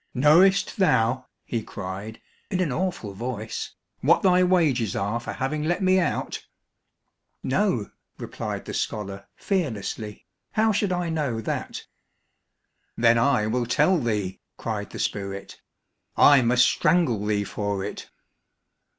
"Knowest thou," he cried in an awful voice, "what thy wages are for having let me out?" "No," replied the scholar fearlessly, "how should I know that?" "Then I will tell thee," cried the spirit; "I must strangle thee for it."